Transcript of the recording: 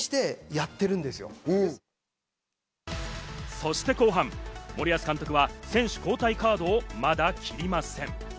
そして後半、森保監督は選手交代カードを、まだ切りません。